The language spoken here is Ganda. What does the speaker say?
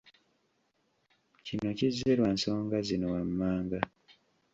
Kino kizze lwansonga zino wammanga;